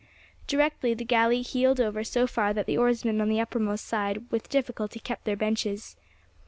Directly the galley heeled over so far that the oarsmen on the uppermost side with difficulty kept their benches.